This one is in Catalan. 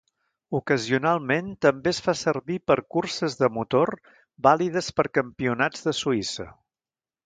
Ocasionalment també es fa servir per curses de motor vàlides per campionats de Suïssa.